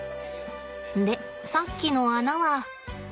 でさっきの穴は。